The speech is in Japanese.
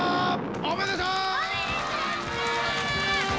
おめでと！